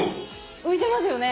浮いてますよね。